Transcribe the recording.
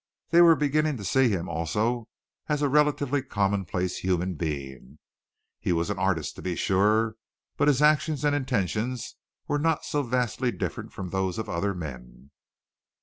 They were beginning to see him also as a relatively commonplace human being. He was an artist, to be sure, but his actions and intentions were not so vastly different from those of other men.